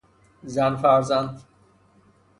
زن فرزند